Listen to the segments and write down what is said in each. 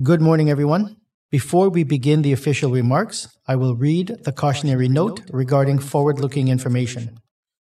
Good morning, everyone. Before we begin the official remarks, I will read the cautionary note regarding forward-looking information.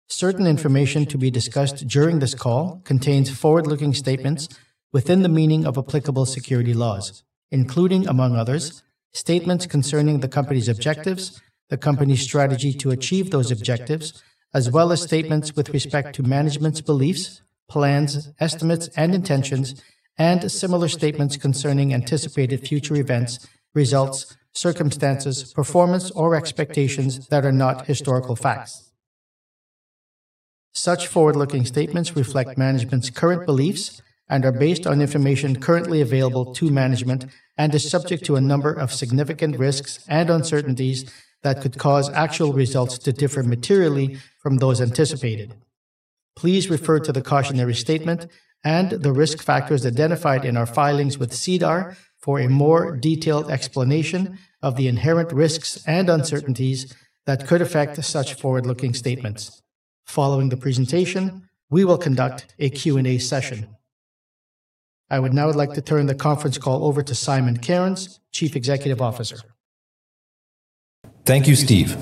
Certain information to be discussed during this call contains forward-looking statements within the meaning of applicable security laws, including, among others, statements concerning the company's objectives, the company's strategy to achieve those objectives, as well as statements with respect to management's beliefs, plans, estimates, and intentions, and similar statements concerning anticipated future events, results, circumstances, performance, or expectations that are not historical facts. Such forward-looking statements reflect management's current beliefs and are based on information currently available to management and are subject to a number of significant risks and uncertainties that could cause actual results to differ materially from those anticipated. Please refer to the cautionary statement and the risk factors identified in our filings with SEDAR for a more detailed explanation of the inherent risks and uncertainties that could affect such forward-looking statements. Following the presentation, we will conduct a Q&A session. I would now like to turn the conference call over to Simon Cairns, Chief Executive Officer. Thank you, Steve.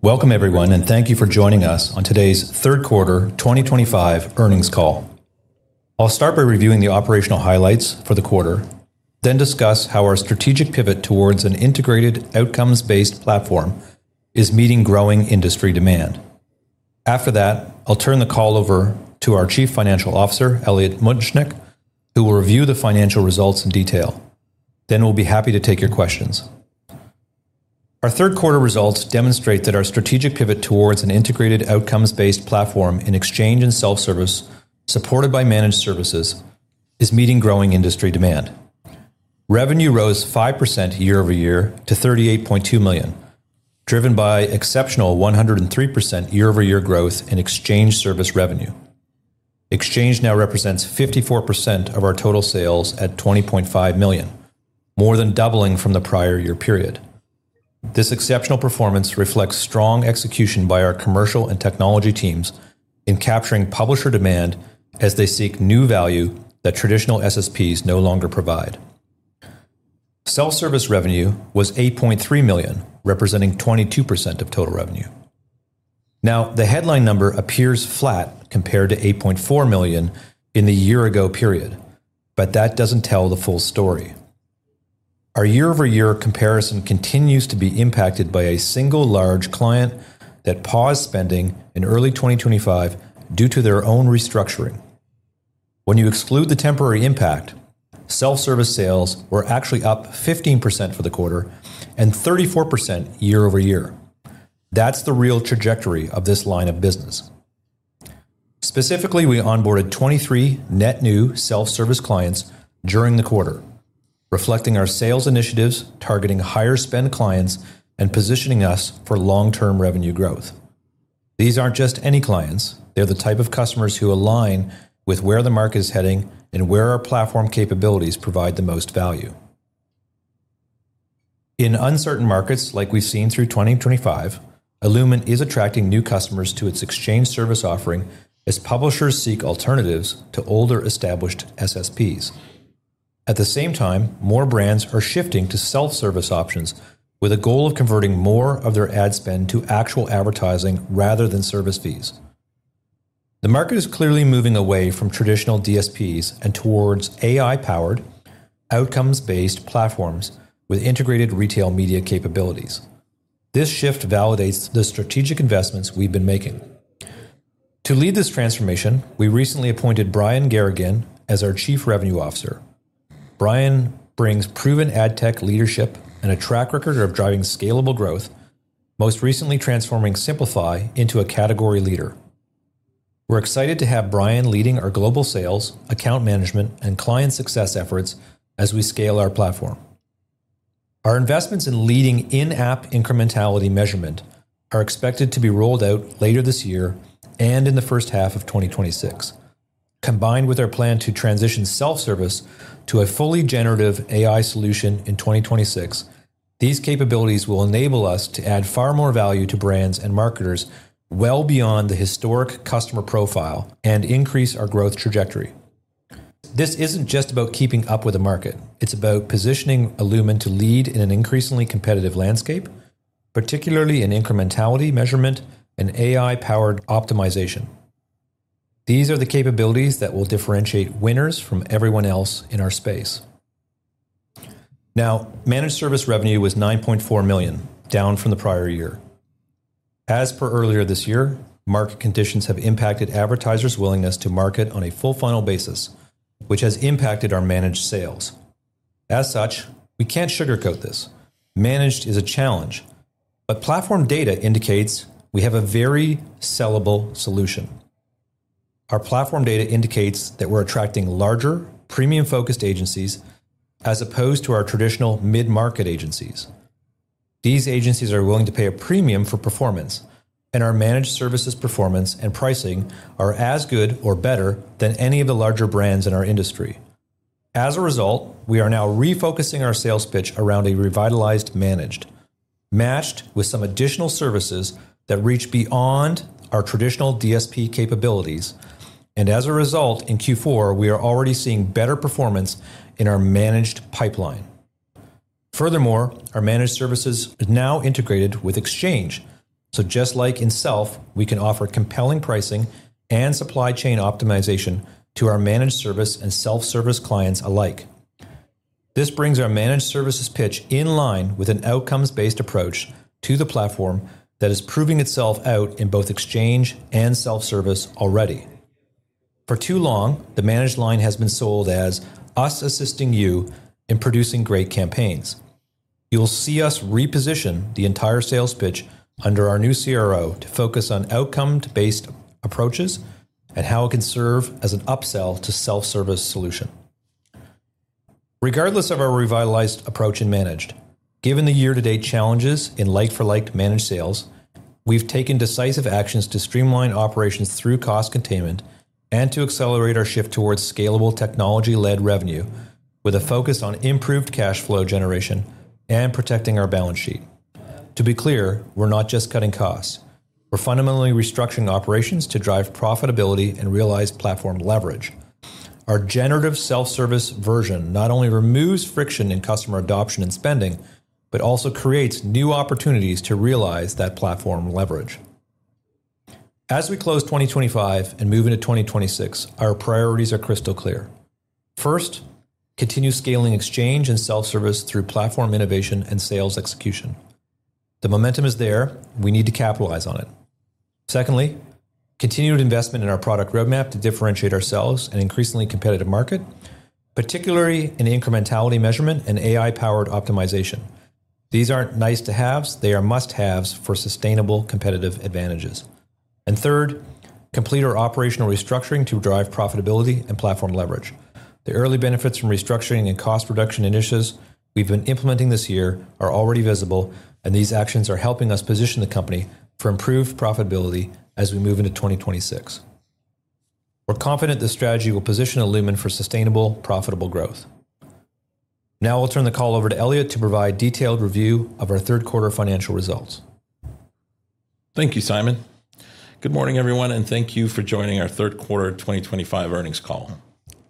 Welcome, everyone, and thank you for joining us on today's Third Quarter 2025 Earnings Call. I'll start by reviewing the operational highlights for the quarter, then discuss how our strategic pivot towards an integrated outcomes-based platform is meeting growing industry demand. After that, I'll turn the call over to our Chief Financial Officer, Elliot Muchnik, who will review the financial results in detail. Then we'll be happy to take your questions. Our third quarter results demonstrate that our strategic pivot towards an integrated outcomes-based platform in exchange and Self-service, supported Managed services, is meeting growing industry demand. Revenue rose 5% year-over-year to 38.2 million, driven by exceptional 103% year-over-year growth in Exchange service revenue. Exchange now represents 54% of our total sales at 20.5 million, more than doubling from the prior year period. This exceptional performance reflects strong execution by our commercial and technology teams in capturing publisher demand as they seek new value that traditional SSPs no longer provide. Self-service revenue was 8.3 million, representing 22% of total revenue. Now, the headline number appears flat compared to 8.4 million in the year-ago period, but that does not tell the full story. Our year-over-year comparison continues to be impacted by a single large client that paused spending in early 2025 due to their own restructuring. When you exclude the temporary impact, Self-service sales were actually up 15% for the quarter and 34% year-over-year. That is the real trajectory of this line of business. Specifically, we onboarded 23 net-new Self-service clients during the quarter, reflecting our sales initiatives, targeting higher-spend clients, and positioning us for long-term revenue growth. These aren't just any clients; they're the type of customers who align with where the market is heading and where our platform capabilities provide the most value. In uncertain markets like we've seen through 2025, illumin is attracting new customers to its Exchange service offering as publishers seek alternatives to older established SSPs. At the same time, more brands are shifting to Self-service options with a goal of converting more of their ad spend to actual advertising rather than service fees. The market is clearly moving away from traditional DSPs and towards AI-powered, outcomes-based platforms with integrated retail media capabilities. This shift validates the strategic investments we've been making. To lead this transformation, we recently appointed Brian Garrigan as our Chief Revenue Officer. Brian brings proven Adtech leadership and a track record of driving scalable growth, mplify into a category leader. We're excited to have Brian leading our global sales, account management, and client success efforts as we scale our platform. Our investments in leading in-app incrementality measurement are expected to be rolled out later this year and in the first half of 2026. Combined with our plan to transition Self-service to a fully generative AI solution in 2026, these capabilities will enable us to add far more value to brands and marketers well beyond the historic customer profile and increase our growth trajectory. This isn't just about keeping up with the market; it's about positioning illumin to lead in an increasingly competitive landscape, particularly in incrementality measurement and AI-powered optimization. These are the capabilities that will differentiate winners from everyone else in our space. Now, Managed service revenue was 9.4 million, down from the prior year. As per earlier this year, market conditions have impacted advertisers' willingness to market on a full-funnel basis, which has impacted our Managed sales. As such, we can't sugarcoat this. Managed is a challenge, but platform data indicates we have a very sellable solution. Our platform data indicates that we're attracting larger, premium-focused agencies as opposed to our traditional mid-market agencies. These agencies are willing to pay a premium for performance, and our Managed services performance and pricing are as good or better than any of the larger brands in our industry. As a result, we are now refocusing our sales pitch around a revitalized Managed, matched with some additional services that reach beyond our traditional DSP capabilities, and as a result, in Q4, we are already seeing better performance in our Managed pipeline. Furthermore, Managed services are now integrated with Exchange, so just like in self, we can offer compelling pricing and supply chain optimization to our Managed service and Self-service clients alike. This brings Managed services pitch in line with an outcomes-based approach to the platform that is proving itself out in both Exchange and Self-service already. For too long, the Managed line has been sold as us assisting you in producing great campaigns. You'll see us reposition the entire sales pitch under our new CRO to focus on outcome-based approaches and how it can serve as an upsell to Self-service solution. Regardless of our revitalized approach in Managed, given the year-to-date challenges in like-for-like Managed sales, we've taken decisive actions to streamline operations through cost containment and to accelerate our shift towards scalable technology-led revenue with a focus on improved cash flow generation and protecting our balance sheet. To be clear, we're not just cutting costs. We're fundamentally restructuring operations to drive profitability and realize platform leverage. Our generative Self-service version not only removes friction in customer adoption and spending but also creates new opportunities to realize that platform leverage. As we close 2025 and move into 2026, our priorities are crystal clear. First, continue scaling exchange and Self-service through platform innovation and sales execution. The momentum is there. We need to capitalize on it. Secondly, continue to invest in our product roadmap to differentiate ourselves in an increasingly competitive market, particularly in incrementality measurement and AI-powered optimization. These are not nice-to-haves; they are must-haves for sustainable competitive advantages. Third, complete our operational restructuring to drive profitability and platform leverage. The early benefits from restructuring and cost reduction initiatives we've been implementing this year are already visible, and these actions are helping us position the company for improved profitability as we move into 2026. We're confident this strategy will position Illumin for sustainable, profitable growth. Now I'll turn the call over to Elliot to provide detailed review of our third quarter financial results. Thank you, Simon. Good morning, everyone, and thank you for joining our third quarter 2025 earnings call.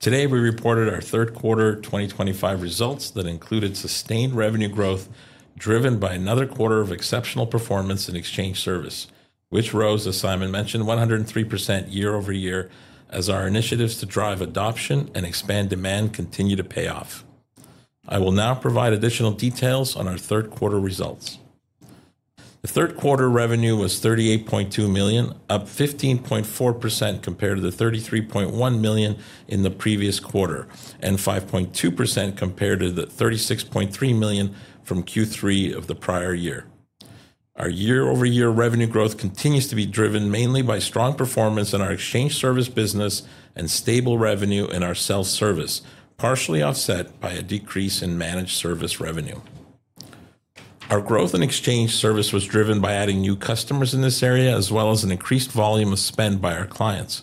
Today, we reported our third quarter 2025 results that included sustained revenue growth driven by another quarter of exceptional performance in Exchange service, which rose, as Simon mentioned, 103% year-over-year as our initiatives to drive adoption and expand demand continue to pay off. I will now provide additional details on our third quarter results. The third quarter revenue was 38.2 million, up 15.4% compared to the 33.1 million in the previous quarter and 5.2% compared to the 36.3 million from Q3 of the prior year. Our year-over-year revenue growth continues to be driven mainly by strong performance in our Exchange service business and stable revenue in our Self-service, partially offset by a decrease in Managed service revenue. Our growth in Exchange service was driven by adding new customers in this area, as well as an increased volume of spend by our clients.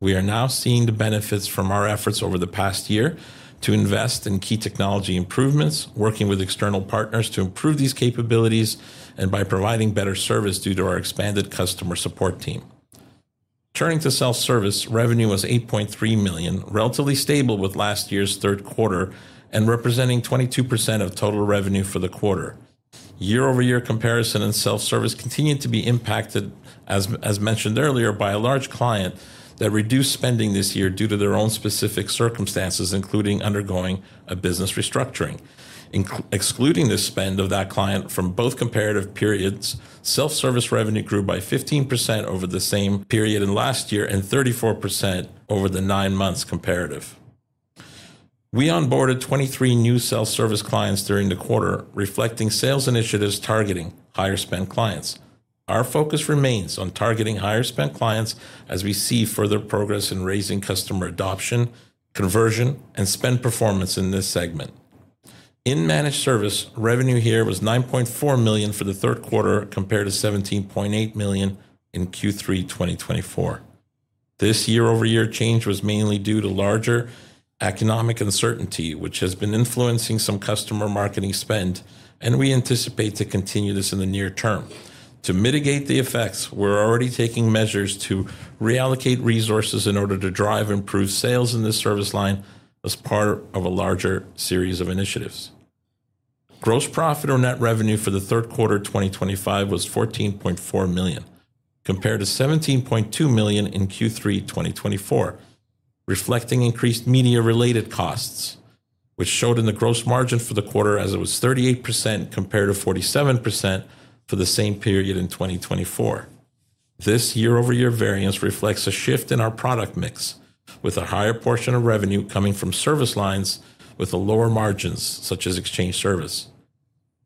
We are now seeing the benefits from our efforts over the past year to invest in key technology improvements, working with external partners to improve these capabilities, and by providing better service due to our expanded customer support team. Turning to Self-service, revenue was 8.3 million, relatively stable with last year's third quarter and representing 22% of total revenue for the quarter. Year-over-year comparison in Self-service continued to be impacted, as mentioned earlier, by a large client that reduced spending this year due to their own specific circumstances, including undergoing a business restructuring. Excluding the spend of that client from both comparative periods, Self-service revenue grew by 15% over the same period in last year and 34% over the nine months comparative. We onboarded 23 new Self-service clients during the quarter, reflecting sales initiatives targeting higher-spend clients. Our focus remains on targeting higher-spend clients as we see further progress in raising customer adoption, conversion, and spend performance in this segment. In Managed service, revenue here was 9.4 million for the third quarter compared to 17.8 million in Q3 2024. This year-over-year change was mainly due to larger economic uncertainty, which has been influencing some customer marketing spend, and we anticipate to continue this in the near term. To mitigate the effects, we're already taking measures to reallocate resources in order to drive improved sales in this service line as part of a larger series of initiatives. Gross profit or net revenue for the third quarter 2025 was 14.4 million, compared to 17.2 million in Q3 2024, reflecting increased media-related costs, which showed in the gross margin for the quarter as it was 38% compared to 47% for the same period in 2024. This year-over-year variance reflects a shift in our product mix, with a higher portion of revenue coming from service lines with lower margins, such as Exchange service.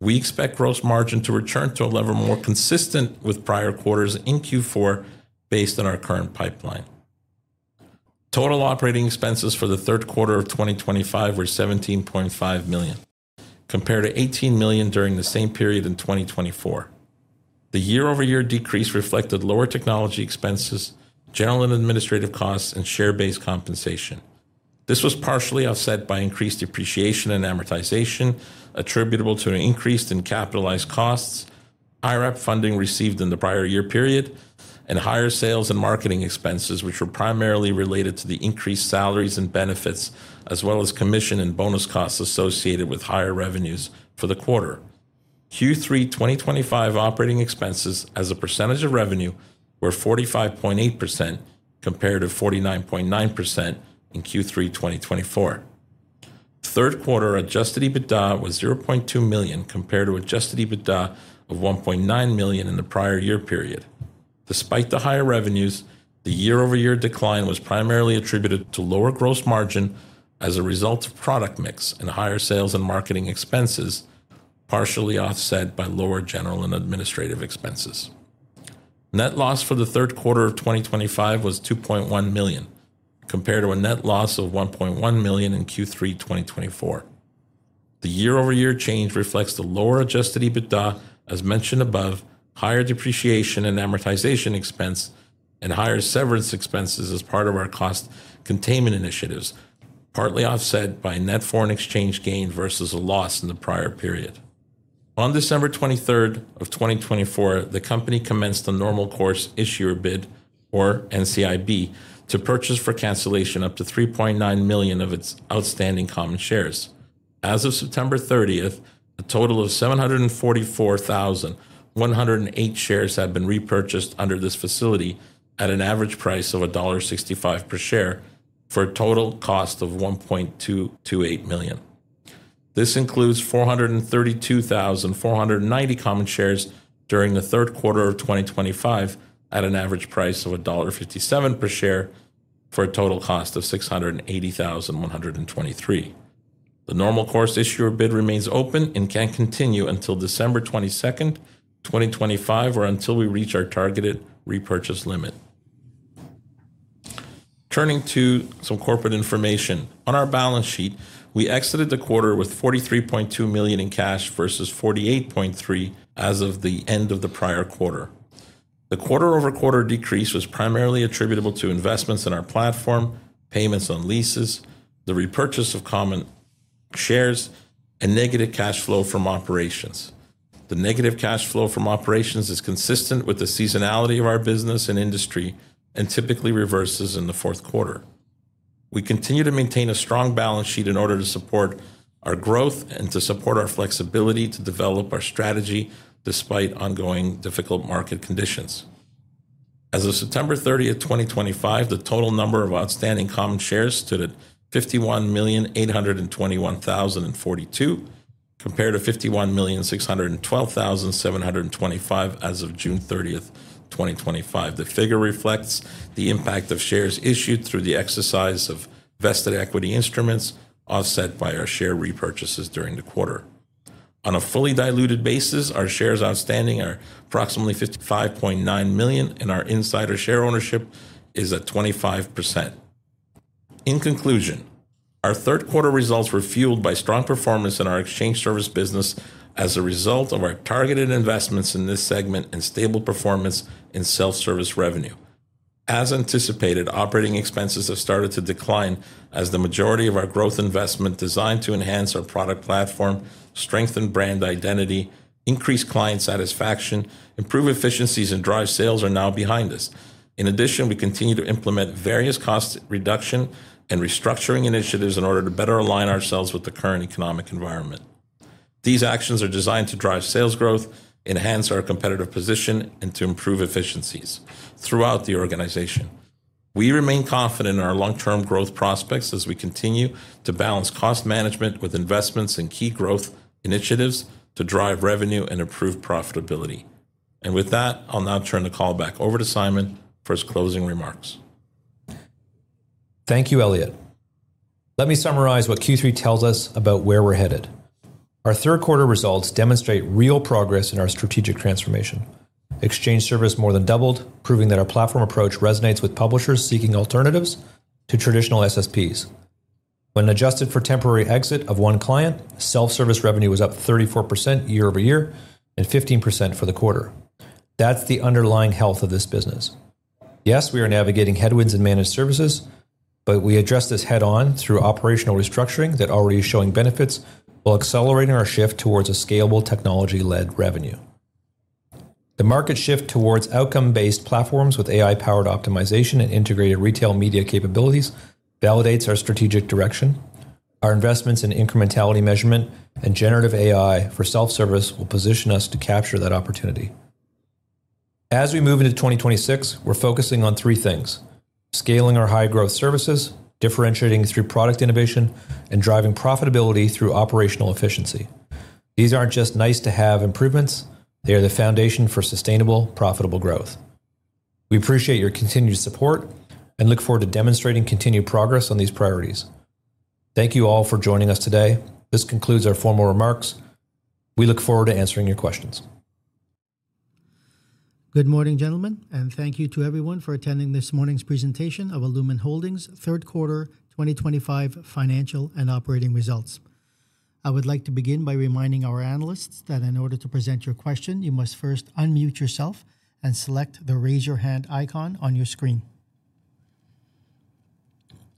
We expect gross margin to return to a level more consistent with prior quarters in Q4 based on our current pipeline. Total operating expenses for the third quarter of 2025 were 17.5 million, compared to 18 million during the same period in 2024. The year-over-year decrease reflected lower technology expenses, general and administrative costs, and share-based compensation. This was partially offset by increased depreciation and amortization attributable to an increase in capitalized costs, higher up funding received in the prior year period, and higher sales and marketing expenses, which were primarily related to the increased salaries and benefits, as well as commission and bonus costs associated with higher revenues for the quarter. Q3 2025 operating expenses as a percentage of revenue were 45.8% compared to 49.9% in Q3 2024. Third quarter adjusted EBITDA was 0.2 million compared to adjusted EBITDA of 1.9 million in the prior year period. Despite the higher revenues, the year-over-year decline was primarily attributed to lower gross margin as a result of product mix and higher sales and marketing expenses, partially offset by lower general and administrative expenses. Net loss for the third quarter of 2025 was 2.1 million compared to a net loss of 1.1 million in Q3 2024. The year-over-year change reflects the lower adjusted EBITDA as mentioned above, higher depreciation and amortization expense, and higher severance expenses as part of our cost containment initiatives, partly offset by net foreign exchange gain versus a loss in the prior period. On December 23rd of 2024, the company commenced a normal course issuer bid, or NCIB, to purchase for cancellation up to 3.9 million of its outstanding common shares. As of September 30th, a total of 744,108 shares had been repurchased under this facility at an average price of dollar 1.65 per share for a total cost of 1.228 million. This includes 432,490 common shares during the third quarter of 2025 at an average price of dollar 1.57 per share for a total cost of 680,123. The normal course issuer bid remains open and can continue until December 22nd, 2025, or until we reach our targeted repurchase limit. Turning to some corporate information, on our balance sheet, we exited the quarter with 43.2 million in cash versus 48.3 million as of the end of the prior quarter. The quarter-over-quarter decrease was primarily attributable to investments in our platform, payments on leases, the repurchase of common shares, and negative cash flow from operations. The negative cash flow from operations is consistent with the seasonality of our business and industry and typically reverses in the fourth quarter. We continue to maintain a strong balance sheet in order to support our growth and to support our flexibility to develop our strategy despite ongoing difficult market conditions. As of September 30th, 2025, the total number of outstanding common shares stood at 51,821,042 compared to 51,612,725 as of June 30th, 2025. The figure reflects the impact of shares issued through the exercise of vested equity instruments offset by our share repurchases during the quarter. On a fully diluted basis, our shares outstanding are approximately 55.9 million, and our insider share ownership is at 25%. In conclusion, our third quarter results were fueled by strong performance in our Exchange service business as a result of our targeted investments in this segment and stable performance in Self-service revenue. As anticipated, operating expenses have started to decline as the majority of our growth investment designed to enhance our product platform, strengthen brand identity, increase client satisfaction, improve efficiencies, and drive sales are now behind us. In addition, we continue to implement various cost reduction and restructuring initiatives in order to better align ourselves with the current economic environment. These actions are designed to drive sales growth, enhance our competitive position, and to improve efficiencies throughout the organization. We remain confident in our long-term growth prospects as we continue to balance cost management with investments in key growth initiatives to drive revenue and improve profitability. With that, I'll now turn the call back over to Simon for his closing remarks. Thank you, Elliot. Let me summarize what Q3 tells us about where we're headed. Our third quarter results demonstrate real progress in our strategic transformation. Exchange service more than doubled, proving that our platform approach resonates with publishers seeking alternatives to traditional SSPs. When adjusted for temporary exit of one client, Self-service revenue was up 34% year-over-year and 15% for the quarter. That's the underlying health of this business. Yes, we are navigating headwinds Managed services, but we address this head-on through operational restructuring that already is showing benefits while accelerating our shift towards a scalable technology-led revenue. The market shift towards outcome-based platforms with AI-powered optimization and integrated retail media capabilities validates our strategic direction. Our investments in incrementality measurement and generative AI for Self-service will position us to capture that opportunity. As we move into 2026, we're focusing on three things: scaling our high-growth services, differentiating through product innovation, and driving profitability through operational efficiency. These aren't just nice-to-have improvements. They are the foundation for sustainable, profitable growth. We appreciate your continued support and look forward to demonstrating continued progress on these priorities. Thank you all for joining us today. This concludes our formal remarks. We look forward to answering your questions. Good morning, gentlemen, and thank you to everyone for attending this morning's presentation of illumin Holdings' third quarter 2025 financial and operating results. I would like to begin by reminding our analysts that in order to present your question, you must first unmute yourself and select the raise-your-hand icon on your screen.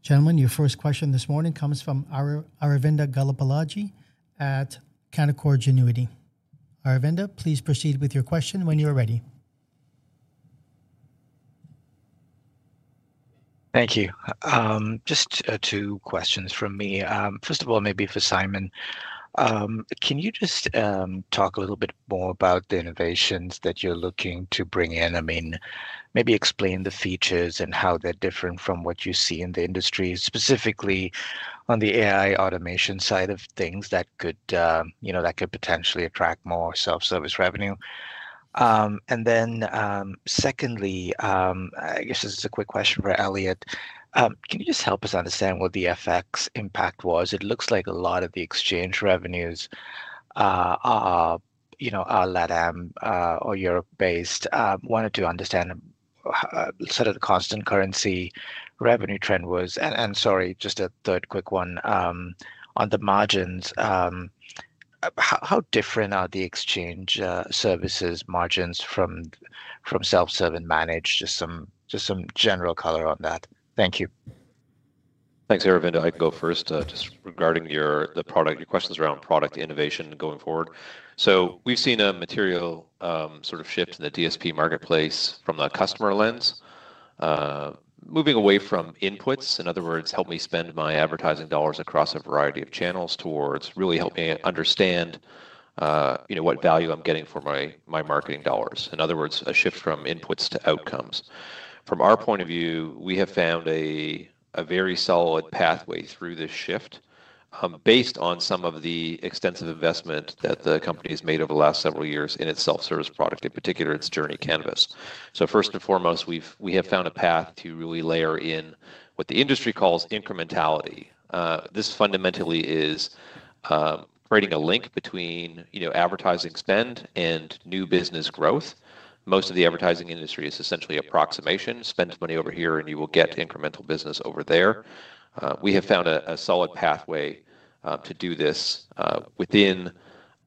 Gentlemen, your first question this morning comes from Aravinda Galappatthige at Canaccord Genuity. Aravinda, please proceed with your question when you're ready. Thank you. Just two questions from me. First of all, maybe for Simon, can you just talk a little bit more about the innovations that you're looking to bring in? I mean, maybe explain the features and how they're different from what you see in the industry, specifically on the AI automation side of things that could potentially attract more Self-service revenue. Secondly, I guess this is a quick question for Elliot. Can you just help us understand what the FX impact was? It looks like a lot of the exchange revenues are LATAM or Europe-based. I wanted to understand sort of what the constant currency revenue trend was. Sorry, just a third quick one on the margins. How different are the Exchange services margins from Self-service and Managed? Just some general color on that. Thank you. Thanks, Aravinda. I can go first. Just regarding the product, your questions around product innovation going forward. We have seen a material sort of shift in the DSP marketplace from the customer lens, moving away from inputs. In other words, help me spend my advertising dollars across a variety of channels towards really helping understand what value I'm getting for my marketing dollars. In other words, a shift from inputs to outcomes. From our point of view, we have found a very solid pathway through this shift based on some of the extensive investment that the company has made over the last several years in its Self-service product, in particular, its Journey Canvas. First and foremost, we have found a path to really layer in what the industry calls incrementality. This fundamentally is creating a link between advertising spend and new business growth. Most of the advertising industry is essentially approximation. Spend money over here, and you will get incremental business over there. We have found a solid pathway to do this within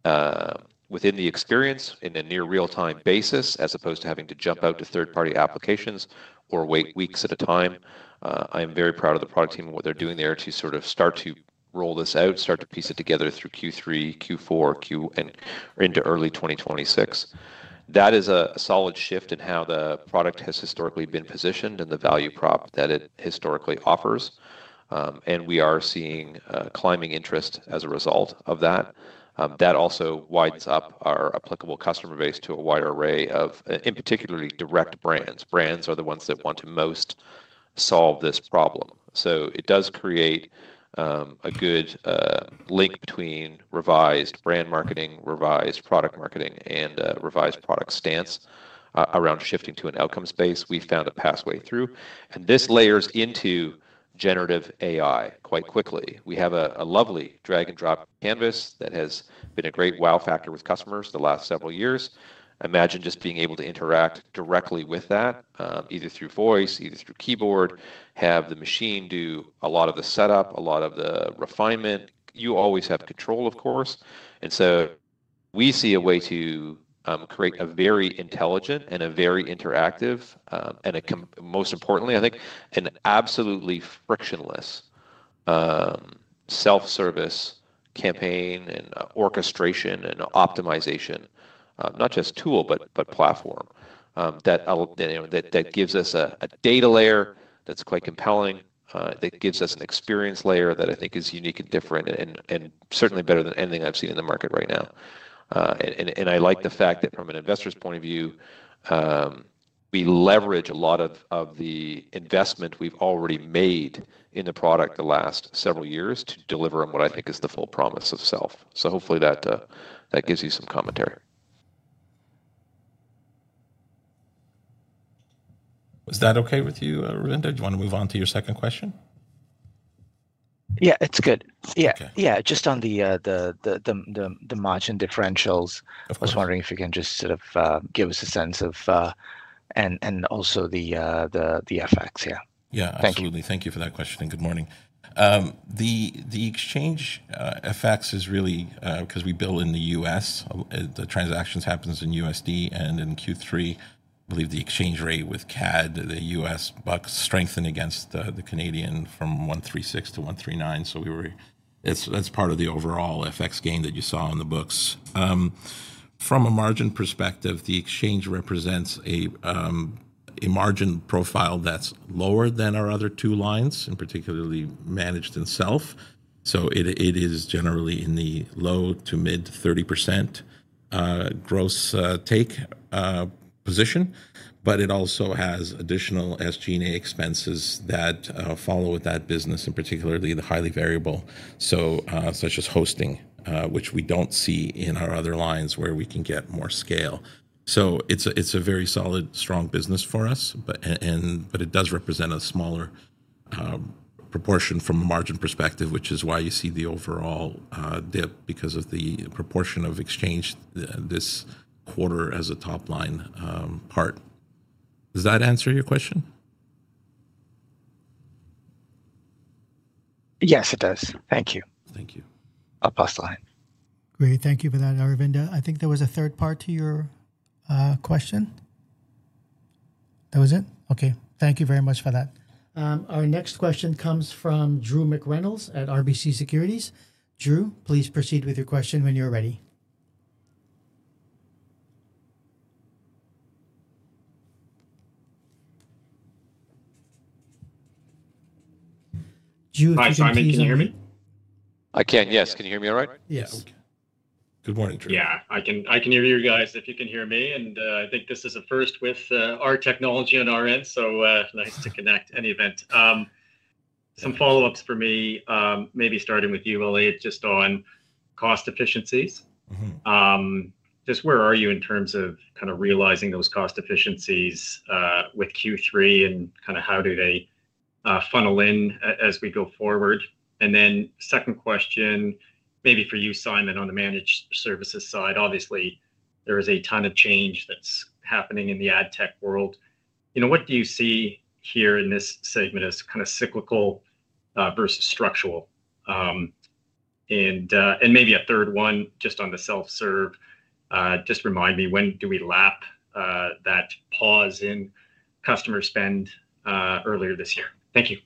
the experience in a near real-time basis as opposed to having to jump out to third-party applications or wait weeks at a time. I am very proud of the product team and what they're doing there to sort of start to roll this out, start to piece it together through Q3, Q4, and into early 2026. That is a solid shift in how the product has historically been positioned and the value prop that it historically offers. We are seeing climbing interest as a result of that. That also widens up our applicable customer base to a wider array of, in particular, direct brands. Brands are the ones that want to most solve this problem. It does create a good link between revised brand marketing, revised product marketing, and a revised product stance around shifting to an outcome space. We found a pathway through. This layers into generative AI quite quickly. We have a lovely drag-and-drop canvas that has been a great wow factor with customers the last several years. Imagine just being able to interact directly with that, either through voice, either through keyboard, have the machine do a lot of the setup, a lot of the refinement. You always have control, of course. We see a way to create a very intelligent and a very interactive and, most importantly, I think, an absolutely frictionless Self-service campaign and orchestration and optimization, not just tool, but platform, that gives us a data layer that is quite compelling, that gives us an experience layer that I think is unique and different and certainly better than anything I have seen in the market right now. I like the fact that from an investor's point of view, we leverage a lot of the investment we have already made in the product the last several years to deliver on what I think is the full promise of self. Hopefully that gives you some commentary. Was that okay with you, Aravinda? Do you want to move on to your second question? Yeah, it's good. Yeah, just on the margin differentials. I was wondering if you can just sort of give us a sense of, and also the FX, yeah. Yeah, absolutely. Thank you for that question. Good morning. The exchange FX is really because we bill in the U.S., the transactions happen in USD, and in Q3, I believe the exchange rate with CAD, the U.S. buck, strengthened against the Canadian from 1.36-1.39. That is part of the overall FX gain that you saw in the books. From a margin perspective, the exchange represents a margin profile that is lower than our other two lines, and particularly Managed and self. It is generally in the low to mid 30% gross take position, but it also has additional SG&A expenses that follow with that business, and particularly the highly variable, such as hosting, which we do not see in our other lines where we can get more scale. It is a very solid, strong business for us, but it does represent a smaller proportion from a margin perspective, which is why you see the overall dip because of the proportion of exchange this quarter as a top line part. Does that answer your question? Yes, it does. Thank you. Thank you. I'll pass the line. Great. Thank you for that, Aravinda. I think there was a third part to your question. That was it? Okay. Thank you very much for that. Our next question comes from Drew McReynolds at RBC Securities. Drew, please proceed with your question when you're ready. Drew, thank you. Hi, Simon. Can you hear me? I can, yes. Can you hear me all right? Yes. Okay. Good morning, Drew. Yeah, I can hear you guys, if you can hear me. I think this is a first with our technology on our end, so nice to connect, any event. Some follow-ups for me, maybe starting with you, Elliot, just on cost efficiencies. Just where are you in terms of kind of realizing those cost efficiencies with Q3 and kind of how do they funnel in as we go forward? Then second question, maybe for you, Simon, on Managed services side. Obviously, there is a ton of change that's happening in the Adtech world. What do you see here in this segment as kind of cyclical versus structural? Maybe a third one, just on the self-serve, just remind me, when do we lap that pause in customer spend earlier this year? Thank you.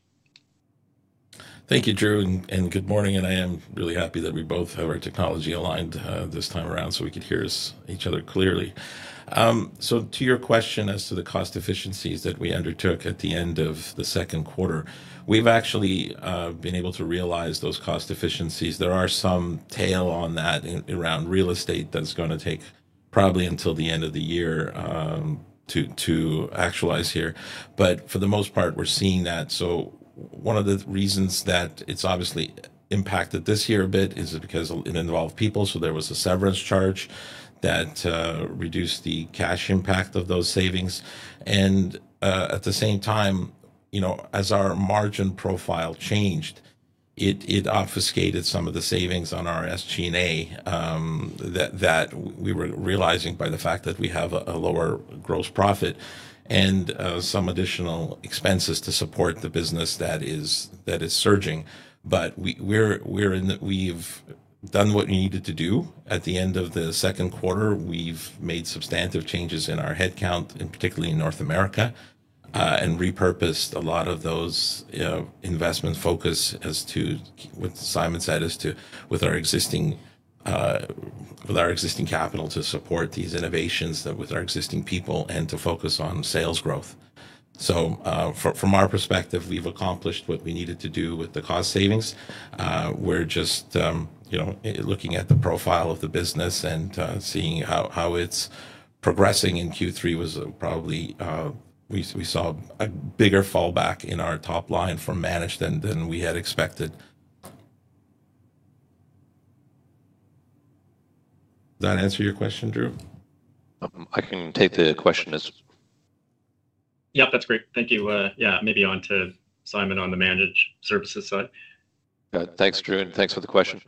Thank you, Drew. Good morning. I am really happy that we both have our technology aligned this time around so we could hear each other clearly. To your question as to the cost efficiencies that we undertook at the end of the second quarter, we have actually been able to realize those cost efficiencies. There is some tail on that around real estate that is going to take probably until the end of the year to actualize here. For the most part, we are seeing that. One of the reasons that it has obviously impacted this year a bit is because it involved people. There was a severance charge that reduced the cash impact of those savings. At the same time, as our margin profile changed, it obfuscated some of the savings on our SG&A that we were realizing by the fact that we have a lower gross profit and some additional expenses to support the business that is surging. We have done what we needed to do. At the end of the second quarter, we made substantive changes in our headcount, particularly in North America, and repurposed a lot of those investment focus, as Simon said, with our existing capital to support these innovations, with our existing people, and to focus on sales growth. From our perspective, we have accomplished what we needed to do with the cost savings. We are just looking at the profile of the business and seeing how it is progressing. In Q3, we saw a bigger fallback in our top line for Managed than we had expected. Does that answer your question, Drew? I can take the question as. Yep, that's great. Thank you. Yeah, maybe on to Simon on Managed services side. Thanks, Drew. Thanks for the question.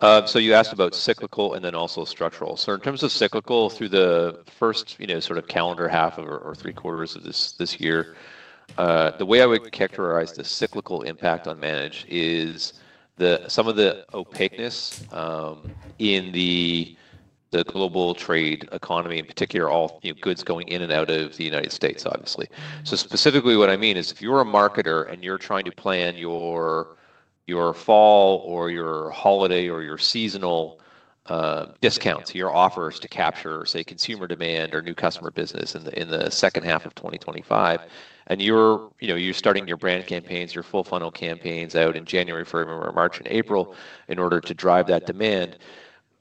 You asked about cyclical and then also structural. In terms of cyclical, through the first sort of calendar half or three quarters of this year, the way I would characterize the cyclical impact on Managed is some of the opaqueness in the global trade economy, in particular, all goods going in and out of the United States, obviously. Specifically, what I mean is if you're a marketer and you're trying to plan your fall or your holiday or your seasonal discounts, your offers to capture, say, consumer demand or new customer business in the second half of 2025, and you're starting your brand campaigns, your full-funnel campaigns out in January, February, March, and April in order to drive that demand,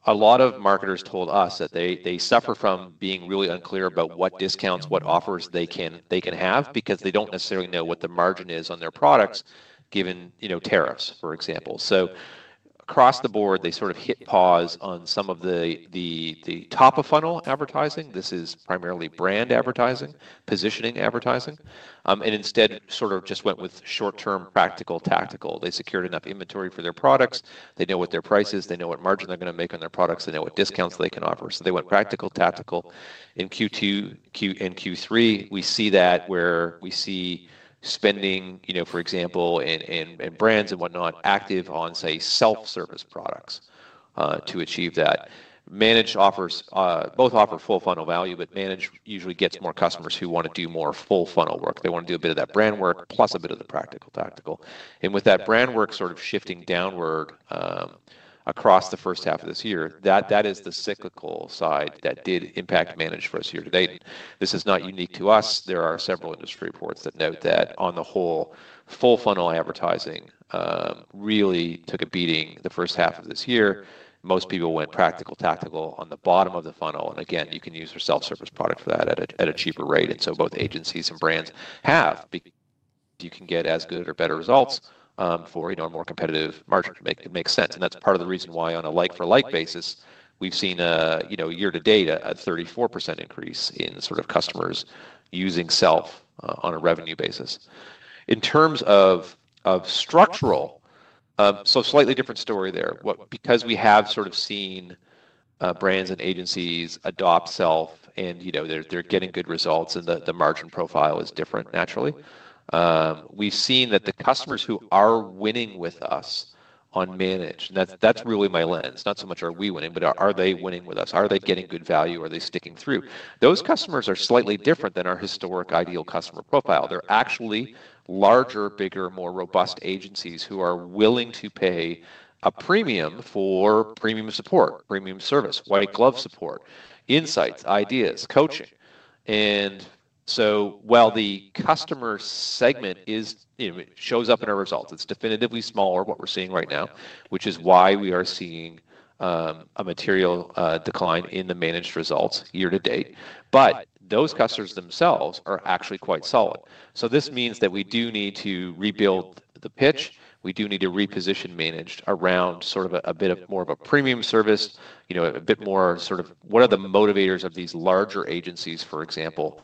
a lot of marketers told us that they suffer from being really unclear about what discounts, what offers they can have because they don't necessarily know what the margin is on their products, given tariffs, for example. Across the board, they sort of hit pause on some of the top-of-funnel advertising. This is primarily brand advertising, positioning advertising, and instead sort of just went with short-term practical tactical. They secured enough inventory for their products. They know what their price is. They know what margin they're going to make on their products. They know what discounts they can offer. They went practical, tactical. In Q2 and Q3, we see that where we see spending, for example, in brands and whatnot, active on, say, Self-service products to achieve that. Managed offers both offer full funnel value, but Managed usually gets more customers who want to do more full funnel work. They want to do a bit of that brand work plus a bit of the practical tactical. With that brand work sort of shifting downward across the first half of this year, that is the cyclical side that did impact Managed for us here today. This is not unique to us. There are several industry reports that note that on the whole, full funnel advertising really took a beating the first half of this year. Most people went practical tactical on the bottom of the funnel. You can use your Self-service product for that at a cheaper rate. Both agencies and brands have because you can get as good or better results for a more competitive margin to make sense. That is part of the reason why on a like-for-like basis, we have seen year-to-date a 34% increase in sort of customers using self on a revenue basis. In terms of structural, slightly different story there. We have sort of seen brands and agencies adopt self and they are getting good results and the margin profile is different. Naturally, we have seen that the customers who are winning with us on Managed, and that is really my lens, not so much are we winning, but are they winning with us? Are they getting good value? Are they sticking through? Those customers are slightly different than our historic ideal customer profile. They're actually larger, bigger, more robust agencies who are willing to pay a premium for premium support, premium service, white glove support, insights, ideas, coaching. While the customer segment shows up in our results, it's definitively smaller, what we're seeing right now, which is why we are seeing a material decline in the Managed results year-to-date. Those customers themselves are actually quite solid. This means that we do need to rebuild the pitch. We do need to reposition Managed around sort of a bit more of a premium service, a bit more sort of what are the motivators of these larger agencies, for example,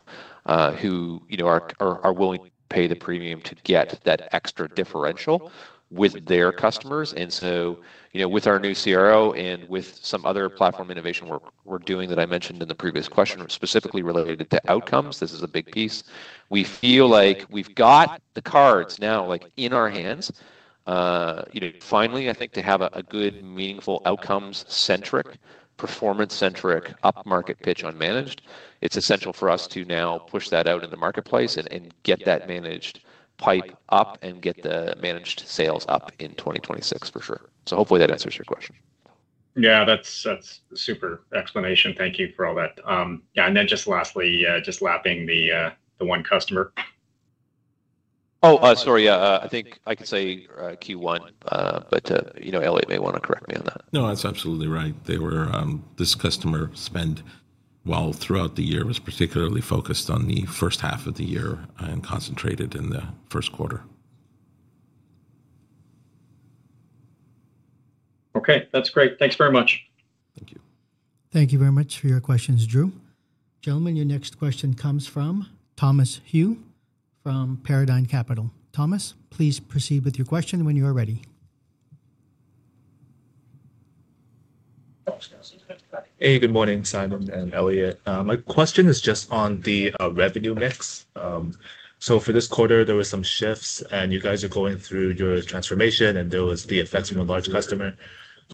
who are willing to pay the premium to get that extra differential with their customers. With our new CRO and with some other platform innovation we are doing that I mentioned in the previous question, specifically related to outcomes, this is a big piece. We feel like we have got the cards now in our hands. Finally, I think to have a good, meaningful, outcomes-centric, performance-centric, up-market pitch on Managed, it is essential for us to now push that out in the marketplace and get that Managed pipe up and get the Managed sales up in 2026, for sure. Hopefully that answers your question. Yeah, that's a super explanation. Thank you for all that. Yeah, and then just lastly, just lapping the one customer. Oh, sorry. I think I could say Q1, but Elliot may want to correct me on that. No, that's absolutely right. This customer spend while throughout the year was particularly focused on the first half of the year and concentrated in the first quarter. Okay. That's great. Thanks very much. Thank you. Thank you very much for your questions, Drew. Gentlemen, your next question comes from Thomas Hui from Paradigm Capital. Thomas, please proceed with your question when you are ready. Hey, good morning, Simon and Elliot. My question is just on the revenue mix. For this quarter, there were some shifts, and you guys are going through your transformation, and there was the effects from a large customer.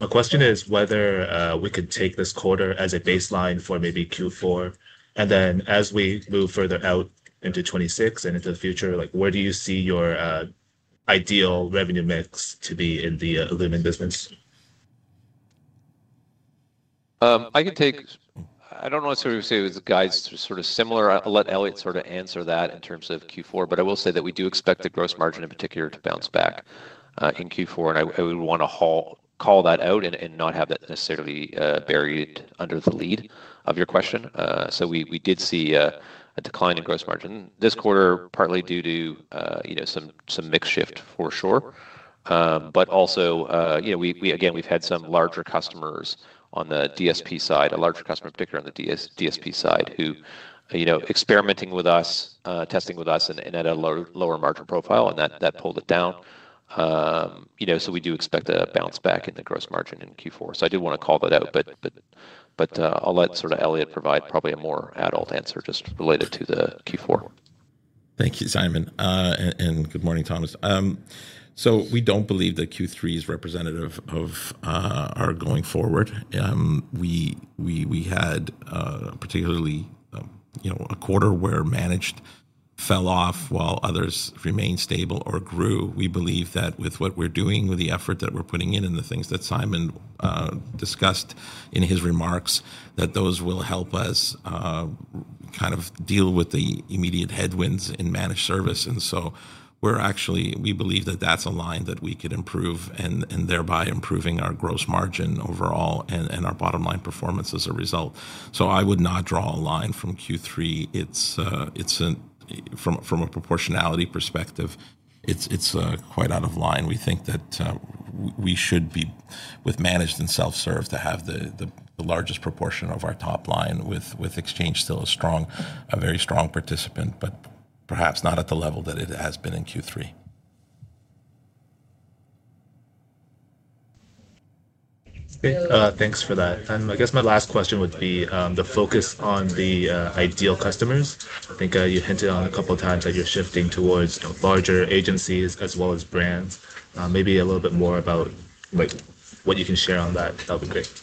My question is whether we could take this quarter as a baseline for maybe Q4. As we move further out into 2026 and into the future, where do you see your ideal revenue mix to be in the illumin business? I don't know if it was guys sort of similar. I'll let Elliot sort of answer that in terms of Q4, but I will say that we do expect the gross margin in particular to bounce back in Q4. I would want to call that out and not have that necessarily buried under the lead of your question. We did see a decline in gross margin this quarter, partly due to some mix shift for sure. Also, again, we've had some larger customers on the DSP side, a larger customer particularly on the DSP side who are experimenting with us, testing with us, and at a lower margin profile, and that pulled it down. We do expect a bounce back in the gross margin in Q4. I do want to call that out, but I'll let sort of Elliot provide probably a more adult answer just related to the Q4. Thank you, Simon. Good morning, Thomas. We do not believe that Q3 is representative of our going forward. We had particularly a quarter where Managed fell off while others remained stable or grew. We believe that with what we are doing, with the effort that we are putting in and the things that Simon discussed in his remarks, those will help us kind of deal with the immediate headwinds in Managed service. We believe that is a line that we could improve and thereby improving our gross margin overall and our bottom line performance as a result. I would not draw a line from Q3. From a proportionality perspective, it is quite out of line. We think that we should be with Managed and self-serve to have the largest proportion of our top line with exchange still a very strong participant, but perhaps not at the level that it has been in Q3. Thanks for that. I guess my last question would be the focus on the ideal customers. I think you hinted on a couple of times that you're shifting towards larger agencies as well as brands. Maybe a little bit more about what you can share on that, that would be great.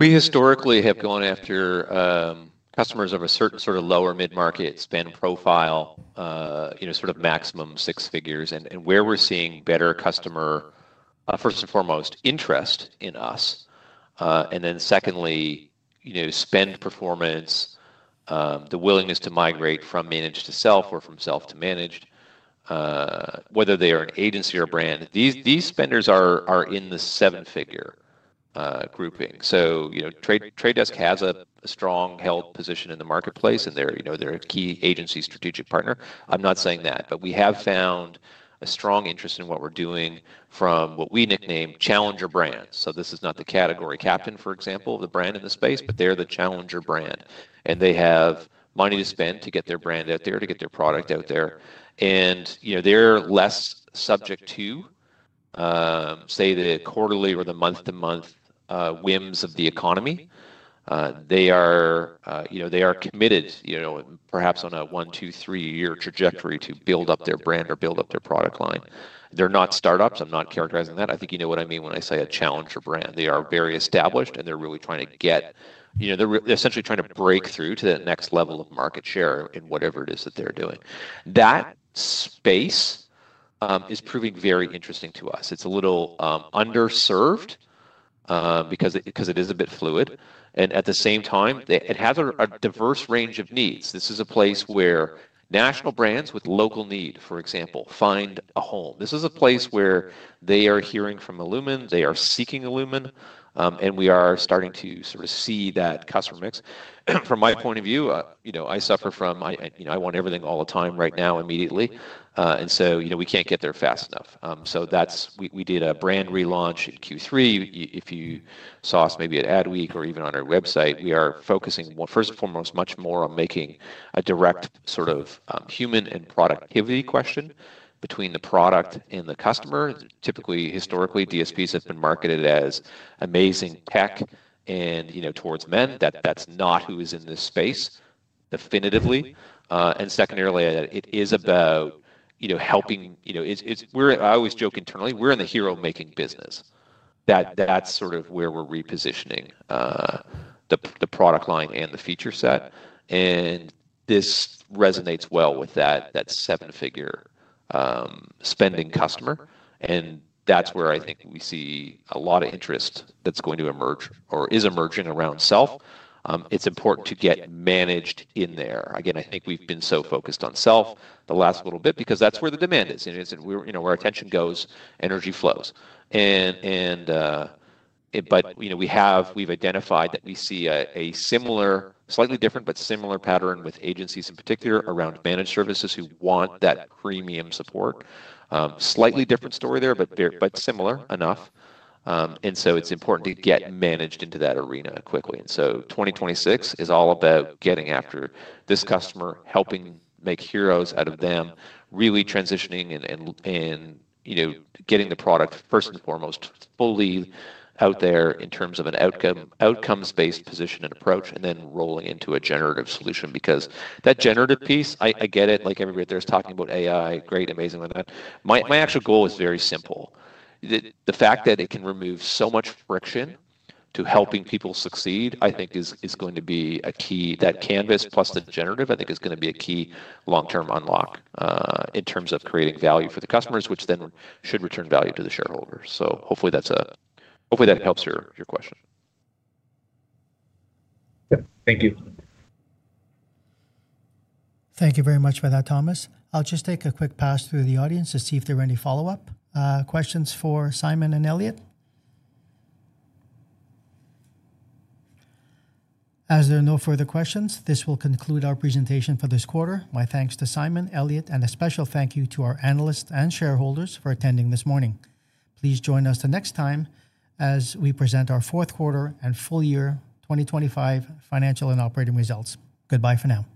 We historically have gone after customers of a certain sort of lower mid-market spend profile, sort of maximum six figures. Where we're seeing better customer, first and foremost, interest in us. Then secondly, spend performance, the willingness to migrate from Managed to Self or from Self to Managed, whether they are an agency or a brand. These spenders are in the seven-figure grouping. The Trade Desk has a strong held position in the marketplace, and they're a key agency strategic partner. I'm not saying that, but we have found a strong interest in what we're doing from what we nickname challenger brands. This is not the category captain, for example, of the brand in the space, but they're the challenger brand. They have money to spend to get their brand out there, to get their product out there. They are less subject to, say, the quarterly or the month-to-month whims of the economy. They are committed, perhaps on a 1, 2, 3-year trajectory to build up their brand or build up their product line. They are not startups. I am not characterizing that. I think you know what I mean when I say a challenger brand. They are very established, and they are really trying to get, they are essentially trying to break through to that next level of market share in whatever it is that they are doing. That space is proving very interesting to us. It is a little underserved because it is a bit fluid. At the same time, it has a diverse range of needs. This is a place where national brands with local need, for example, find a home. This is a place where they are hearing from illumin. They are seeking illumin. We are starting to sort of see that customer mix. From my point of view, I suffer from I want everything all the time right now, immediately. We cannot get there fast enough. We did a brand relaunch in Q3. If you saw us maybe at Ad Week or even on our website, we are focusing, first and foremost, much more on making a direct sort of human and productivity question between the product and the customer. Typically, historically, DSPs have been marketed as amazing tech and towards men. That is not who is in this space definitively. Secondarily, it is about helping. I always joke internally, we are in the hero-making business. That is sort of where we are repositioning the product line and the feature set. This resonates well with that seven-figure spending customer. That is where I think we see a lot of interest that is going to emerge or is emerging around self. It is important to get Managed in there. Again, I think we have been so focused on self the last little bit because that is where the demand is. Where attention goes, energy flows. We have identified that we see a similar, slightly different but similar pattern with agencies in particular Managed services who want that premium support. Slightly different story there, but similar enough. It is important to get Managed into that arena quickly. The year 2026 is all about getting after this customer, helping make heroes out of them, really transitioning and getting the product, first and foremost, fully out there in terms of an outcomes-based position and approach, and then rolling into a generative solution. That generative piece, I get it. Like everybody there is talking about AI, great, amazing on that. My actual goal is very simple. The fact that it can remove so much friction to helping people succeed, I think, is going to be a key. That canvas plus the generative, I think, is going to be a key long-term unlock in terms of creating value for the customers, which then should return value to the shareholders. Hopefully that helps your question. Thank you. Thank you very much for that, Thomas. I'll just take a quick pass through the audience to see if there are any follow-up questions for Simon and Elliot. As there are no further questions, this will conclude our presentation for this quarter. My thanks to Simon, Elliot, and a special thank you to our analysts and shareholders for attending this morning. Please join us next time as we present our fourth quarter and full year 2025 financial and operating results. Goodbye for now.